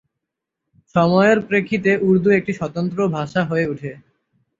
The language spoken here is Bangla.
সময়ের প্রেক্ষিতে উর্দু একটি স্বতন্ত্র ভাষা হয়ে উঠে।